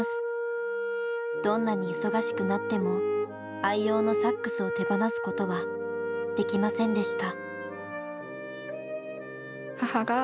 どんなに忙しくなっても愛用のサックスを手放すことはできませんでした。